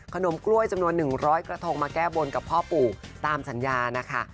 ขนมกล้วยจำนวน๑๐๐กระทงมาแก้บนกับพ่อปู่ตามสัญญานะคะ